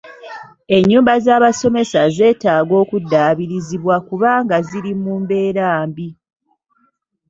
Enyumba z'abasomesa zeetaaga okuddaabirizibwa kubanga ziri mu mbeera mbi.